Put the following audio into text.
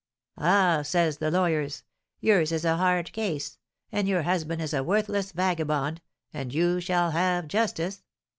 'Ah,' say the lawyers, 'yours is a hard case, and your husband is a worthless vagabond, and you shall have justice.